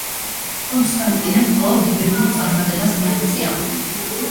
კონსტანტინემ კვლავ დიდებულ წარმატებას მიაღწია.